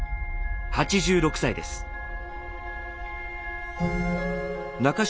８６歳です。